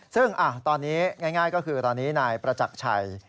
ซึ่งตอนนี้ง่ายก็คือตอนนี้นายประจักรชัย